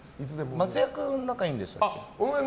松也君、仲いいでしたっけ。